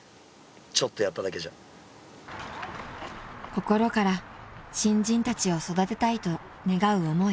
［心から新人たちを育てたいと願う思い］